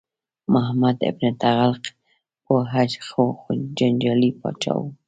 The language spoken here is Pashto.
محمد بن تغلق پوه خو جنجالي پاچا و.